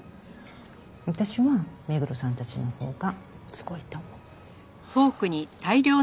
私は目黒さんたちのほうがすごいと思う。